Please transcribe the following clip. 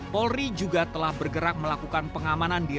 polri juga telah bergerak melakukan pengamanan di